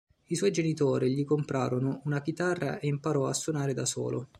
I suoi genitori gli comprarono una chitarra e imparò a suonare da solo.